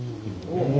お。